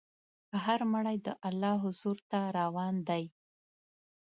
هر مړی د الله حضور ته روان دی.